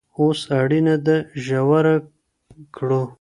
اوس اړينه ده ژوره کړو.